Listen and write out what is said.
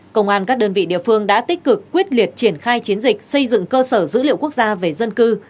công an các đơn vị địa phương đã tích cực quyết liệt triển khai chiến dịch xây dựng cơ sở dữ liệu quốc gia về dân cư